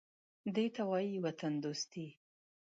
_دې ته وايي وطندوستي.